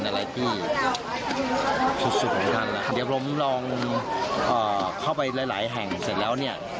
เดี๋ยวผมลองเข้าไปหลายแห่งเสร็จแล้วเนี่ย